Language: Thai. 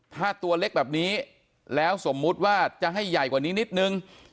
ถ้าตัวเล็กแบบนี้แล้วสมมุติว่าจะให้ใหญ่กว่านี้นิดนึง